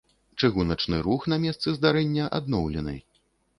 Чыгуначны рух на месцы здарэння адноўлены.